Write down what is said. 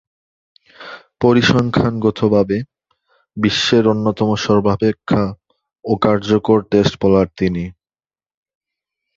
পরিসংখ্যানগতভাবে বিশ্বের অন্যতম সর্বাপেক্ষা অকার্যকর টেস্ট বোলার তিনি।